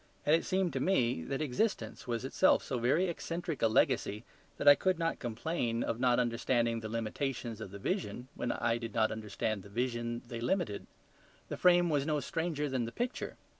And it seemed to me that existence was itself so very eccentric a legacy that I could not complain of not understanding the limitations of the vision when I did not understand the vision they limited. The frame was no stranger than the picture.